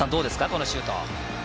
このシュート。